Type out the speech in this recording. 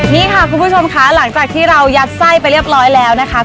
นี่ค่ะคุณผู้ชมค่ะหลังจากที่เรายัดไส้ไปเรียบร้อยแล้วนะคะ